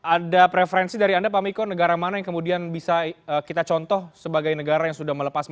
ada preferensi dari anda pak miko negara mana yang kemudian bisa kita contoh sebagai negara yang sudah melepas